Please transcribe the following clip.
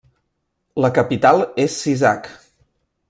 La capital és Sisak.